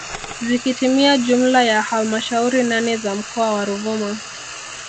Zikitimia jumla ya halmashauri nane za mkoa wa Ruvuma